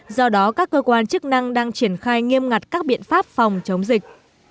do đó các cơ quan chức năng đang triển khai nghiêm ngặt các biện pháp phòng chống dịch